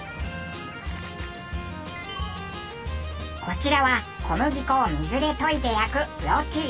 こちらは小麦粉を水で溶いて焼くロティ。